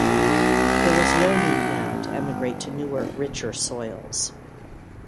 There was no need now to emigrate to newer, richer soils.